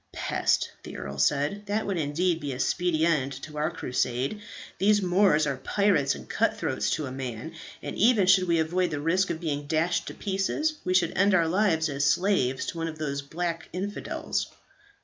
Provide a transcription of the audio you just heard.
"Pest!" the earl said. "That would indeed be a speedy end to our Crusade. These Moors are pirates and cut throats to a man; and even should we avoid the risk of being dashed to pieces, we should end our lives as slaves to one of these black infidels."